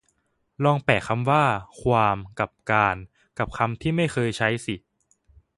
ลองแปะคำว่า ความ กับ การ กับคำที่ไม่เคยใช้สิ